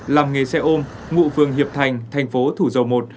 làm nghề xe ôm ngụ phường hiệp thành thành phố thủ dầu một